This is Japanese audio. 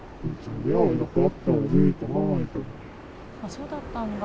そうだったんだ。